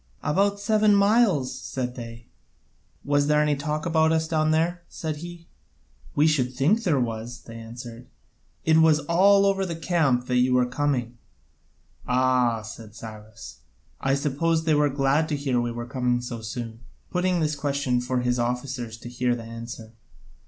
"About seven miles," said they. "Was there any talk about us down there?" said he. "We should think there was," they answered; "it was all over the camp that you were coming." "Ah," said Cyrus, "I suppose they were glad to hear we were coming so soon?" (putting this question for his officers to hear the answer).